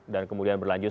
dan kemudian berlanjut